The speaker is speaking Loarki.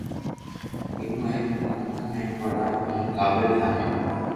ديئو ھين ڪانا ني پڙاويو ھين قابل ٺايو